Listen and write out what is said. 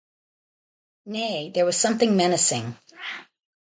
Nay, there was something menacing.